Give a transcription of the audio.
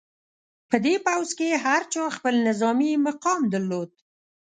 په دې پوځ کې هر چا خپل نظامي مقام درلود.